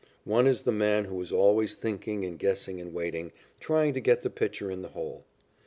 One is the man who is always thinking and guessing and waiting, trying to get the pitcher in the hole.